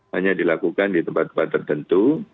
hanya dilakukan di tempat tempat tertentu